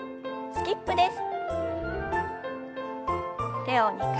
スキップです。